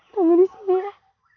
kamu disini ya